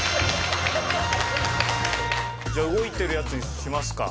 じゃあ動いてるやつにしますか。